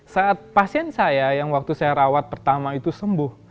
saat pasien saya yang waktu saya rawat pertama itu sembuh